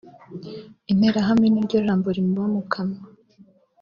Interahamwe niryo jambo rimuba mu kanwa